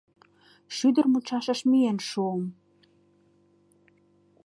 Шӱдыр мучашыш миен шуым.